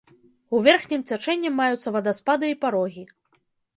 У верхнім цячэнні маюцца вадаспады і парогі.